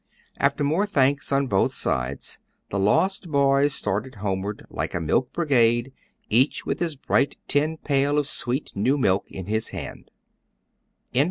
After more thanks on both sides, the lost boys started homeward, like a milk brigade, each with his bright tin pail of sweet new milk in his hand.